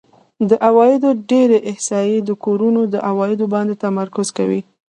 د عوایدو ډېری احصایې د کورونو په عوایدو باندې تمرکز کوي